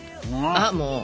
ああもう！